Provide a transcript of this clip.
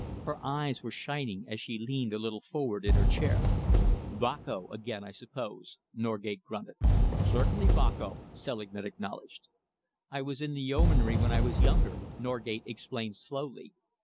Her eyes were shining as she leaned a little forward in her chair. "Boko again, I suppose," Norgate grunted. "Certainly Boko," Selingman acknowledged. "I was in the Yeomanry when I was younger," Norgate explained slowly.